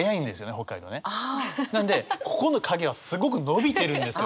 なのでここの影はすごく伸びてるんですよ。